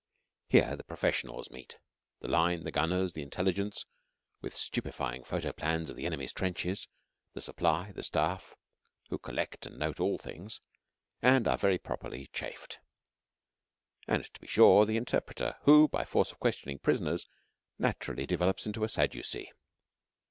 Here the professionals meet the Line, the Gunners, the Intelligence with stupefying photo plans of the enemy's trenches; the Supply; the Staff, who collect and note all things, and are very properly chaffed; and, be sure, the Interpreter, who, by force of questioning prisoners, naturally develops into a Sadducee.